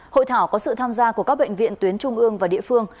hội thảo có sự tham gia của các bệnh viện tuyến trung ương và địa phương